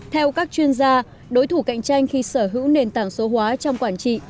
theo các chuyên gia đối thủ cạnh tranh khi sở hữu nền tảng số hóa trong quản trị